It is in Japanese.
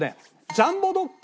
ジャンボドック。